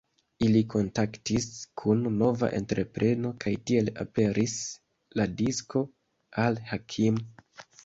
Ili kontaktis kun nova entrepreno kaj tiel aperis la disko "Al-Hakim".